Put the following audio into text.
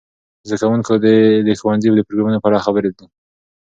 زده کوونکي د ښوونځي د پروګرامونو په اړه خبر دي.